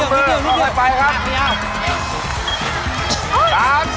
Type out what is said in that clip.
พอไปครับ